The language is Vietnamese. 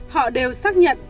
họ đều xác nhận